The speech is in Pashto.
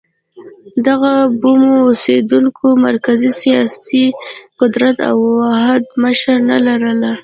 دغو بومي اوسېدونکو مرکزي سیاسي قدرت او واحده مشري نه لرله.